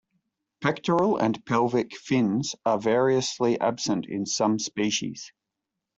Pectoral and pelvic fins are variously absent in some species.